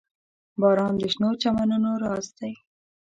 • باران د شنو چمنونو راز دی.